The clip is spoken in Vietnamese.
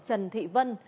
trần thị vân